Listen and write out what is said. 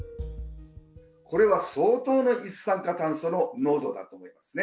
これは相当な一酸化炭素の濃度だと思いますね。